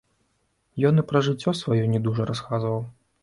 Ён і пра жыццё сваё не дужа расказваў.